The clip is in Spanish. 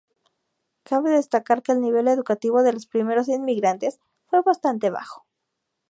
Cabe destacar que el nivel educativo de los primeros inmigrantes fue bastante bajo.